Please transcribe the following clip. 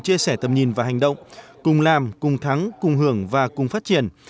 chia sẻ tầm nhìn và hành động cùng làm cùng thắng cùng hưởng và cùng phát triển